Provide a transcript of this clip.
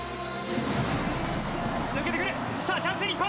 抜けてくる、さあ、チャンス、日本。